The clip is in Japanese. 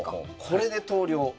これで投了。